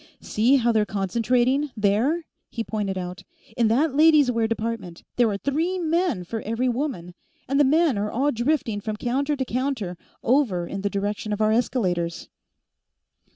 "See how they're concentrating, there?" he pointed out. "In that ladies' wear department, there are three men for every woman, and the men are all drifting from counter to counter over in the direction of our escalators."